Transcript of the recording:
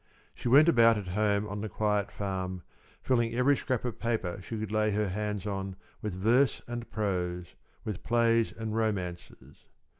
She went about at home on the quiet farm, filling every scrap of paper she could lay her hands on with verse and prose, with plays and romances.